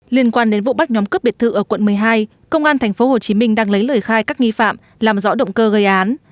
liên quan đến vụ bắt nhóm cướp biệt thự ở quận một mươi hai công an tp hcm đang lấy lời khai các nghi phạm làm rõ động cơ gây án